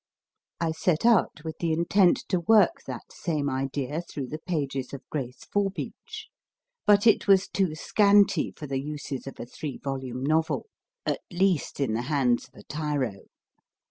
I set out with the intent to work that same idea through o the pages of Grace Forbeach, but it was too scanty for the uses of a three volume novel, at least in the hands of a tiro.